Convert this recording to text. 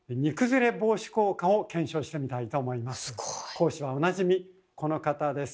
講師はおなじみこの方です。